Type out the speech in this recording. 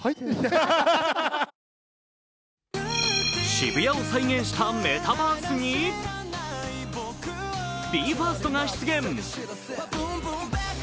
渋谷を再現したメタバースにＢＥ：ＦＩＲＳＴが出現。